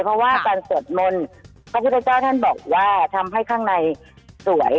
เพราะว่าการสวดมนต์พระพุทธเจ้าท่านบอกว่าทำให้ข้างในสวย